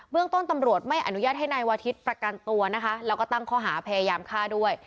เรื่องต้นตำรวจไม่อนุญาตให้นายวาทิศประกันตัวนะคะแล้วก็ตั้งข้อหาพยายามฆ่าด้วย